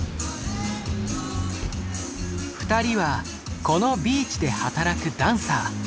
２人はこのビーチで働くダンサー。